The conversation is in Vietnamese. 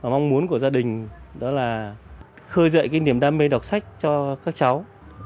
mong muốn của gia đình đó là khơi dậy cái niềm đam mê đọc sách cho các cháu